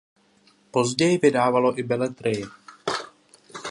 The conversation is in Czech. Později vydávalo i beletrii.